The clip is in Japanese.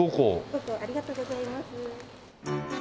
５個ありがとうございます。